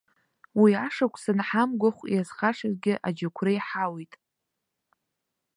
Уи ашықәсан ҳамгәахә иазхашазгьы аџьықәреи ҳауит.